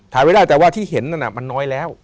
ไม่ได้แต่ว่าที่เห็นนั่นมันน้อยแล้ว